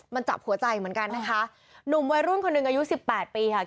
มันจับหัวใจเหมือนกันนะคะหนุ่มวัยรุ่นคนหนึ่งอายุสิบแปดปีค่ะ